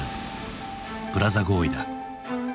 プラザ合意だ。